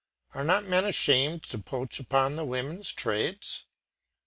Are not men ashamed to poach upon the women's trades?